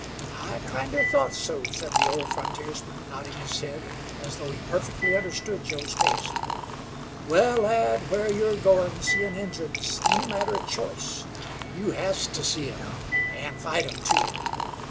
"I kinder thought so," said the old frontiersman, nodding his head as though he perfectly understood Joe's case. "Well, lad, where you're goin' seein' Injuns ain't a matter of choice. You has to see 'em, and fight 'em, too.